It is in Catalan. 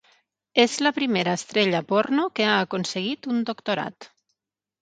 És la primera estrella porno que ha aconseguit un doctorat.